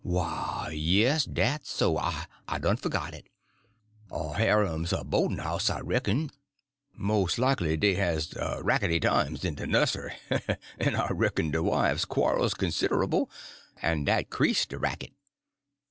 "Why, yes, dat's so; I—I'd done forgot it. A harem's a bo'd'n house, I reck'n. Mos' likely dey has rackety times in de nussery. En I reck'n de wives quarrels considable; en dat 'crease de racket.